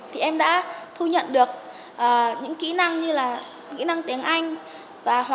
thì em đã thu nhận được những kỹ năng như là kỹ năng tiếng anh